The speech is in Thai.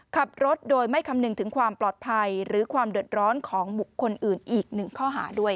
ขับรถโดยไม่คำนึงถึงความปลอดภัยหรือความเดือดร้อนของบุคคลอื่นอีกหนึ่งข้อหาด้วย